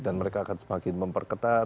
dan mereka akan semakin memperketat